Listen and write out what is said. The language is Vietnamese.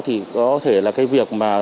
thì có thể là vụ tương tự